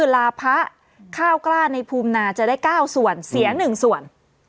ลาพระข้าวกล้าในภูมินาจะได้๙ส่วนเสีย๑ส่วน